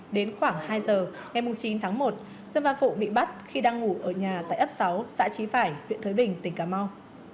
đến khoảng hai h ngày chín tháng một dân văn phụng bị bắt khi đang ngủ ở nhà tại ấp sáu xã chí phải huyện thới bình tỉnh cà mau